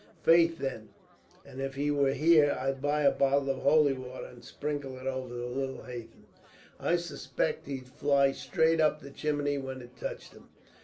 Faith, then, and if he were here, I'd buy a bottle of holy water, and sprinkle it over the little hathen. I suspict he'd fly straight up the chimney, when it touched him."